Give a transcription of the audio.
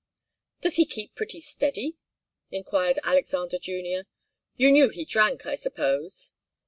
"Does he keep pretty steady?" enquired Alexander Junior. "You knew he drank, I suppose?"